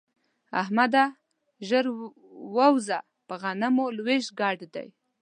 احمده! ژر ورځه پر غنمو وېش ګډ دی.